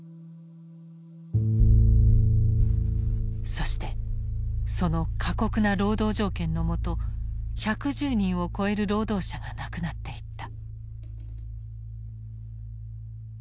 そしてその過酷な労働条件の下１１０人を超える労働者が亡くなっていった。